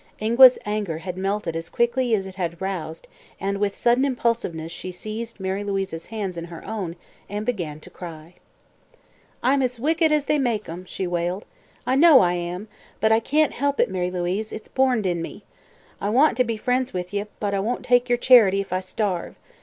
Ingua's anger had melted as quickly as it had roused and with sudden impulsiveness she seized Mary Louise's hands in her own and began to cry. "I'm as wicked as they make 'em!" she wailed. "I know I am! But I can't help it, Mary Louise; it's borned in me. I want to be friends with ye, but I won't take your charity if I starve.